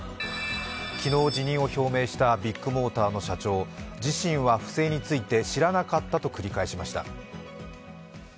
昨日辞任を表明したビッグモーターの社長、自身は不正について、知らなかったと繰り返しました。